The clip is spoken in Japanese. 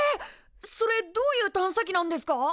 それどういう探査機なんですか？